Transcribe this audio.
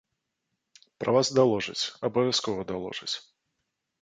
Пра вас даложаць, абавязкова даложаць.